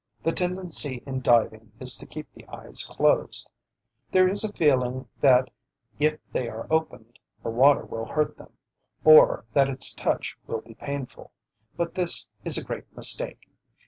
The tendency in diving is to keep the eyes closed. There is a feeling that if they are opened the water will hurt them, or that its touch will be painful; but this is a great mistake.